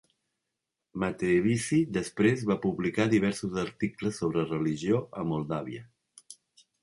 Mateevici després va publicar diversos articles sobre religió a Moldàvia.